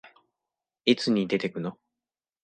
何時に出てくの？